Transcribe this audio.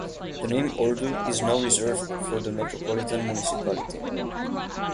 The name Ordu is now reserved for the metropolitan municipality.